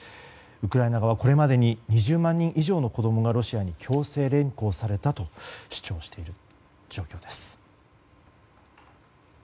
ウクライナ側はこれまでに２０万人以上の子供がロシアに強制連行されたと主張している状況です。